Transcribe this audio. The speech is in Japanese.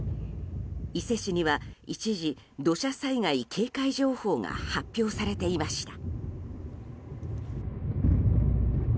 伊勢市には一時土砂災害警戒情報が発表されていました。